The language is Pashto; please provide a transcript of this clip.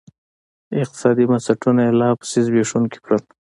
اقتصادي بنسټونه یې لاپسې زبېښونکي کړل.